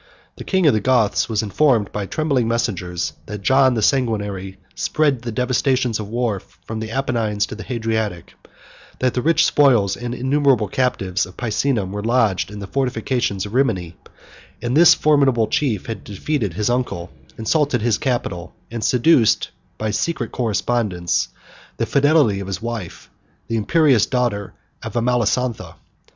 The king of the Goths was informed by trembling messengers, that John the Sanguinary spread the devastations of war from the Apennine to the Hadriatic; that the rich spoils and innumerable captives of Picenum were lodged in the fortifications of Rimini; and that this formidable chief had defeated his uncle, insulted his capital, and seduced, by secret correspondence, the fidelity of his wife, the imperious daughter of Amalasontha.